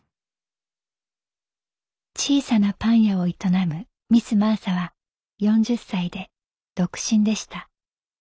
「小さなパン屋を営むミス・マーサは４０歳で独身でした」。